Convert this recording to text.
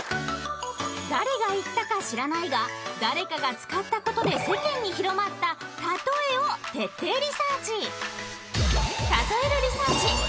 誰が言ったか知らないが誰かが使ったことで世間に広まった“たとえ”を徹底リサーチ！